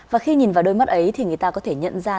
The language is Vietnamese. và khi nhìn vào đôi mắt ấy thì người ta có thể nhận ra